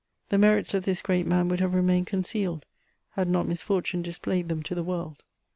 The merits of this great man would have remained concealed had not misfortune displayed them to the world.